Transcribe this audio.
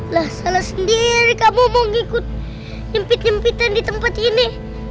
lah salah sendiri kamu mau ngikut nyempit impitan di tempat ini